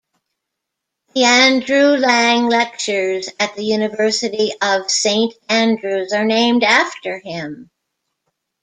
The Andrew Lang lectures at the University of Saint Andrews are named after him.